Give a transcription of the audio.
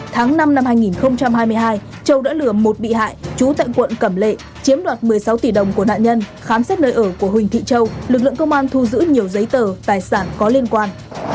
tháng năm năm hai nghìn hai mươi hai châu đã lừa một bị hại trú tại quận cẩm lệ chiếm đoạt một mươi sáu tỷ đồng của nạn nhân khám xét nơi ở của huỳnh thị châu lực lượng công an thu giữ nhiều giấy tờ tài sản có liên quan